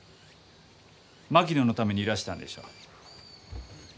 槙野のためにいらしたんでしょう？